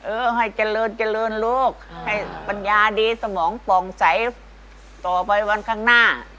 เออให้เจริญเจริญโลกให้ปัญญาดีสมองป่องใสต่อไปวันข้างหน้า